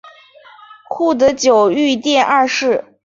护得久御殿二世。